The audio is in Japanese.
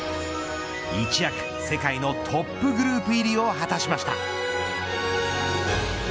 一躍、世界のトップグループ入りを果たしました。